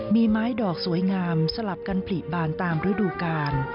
มีไม้ดอกสวยงามสลับกันผลิบานตามฤดูกาล